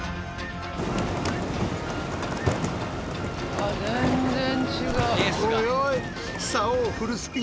あっ全然違う。